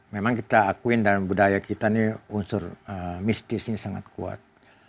memang kita akuin dalam budaya kita ini unsur mistis ini sangat kuat